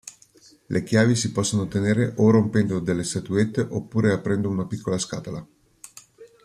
Le chiavi si possono ottenere o rompendo delle statuette oppure aprendo una piccola scatola.